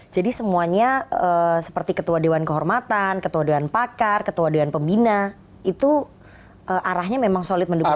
jadi semuanya seperti ketua dewan kehormatan ketua dewan pakar ketua dewan pembina itu arahnya memang solid mendukung apa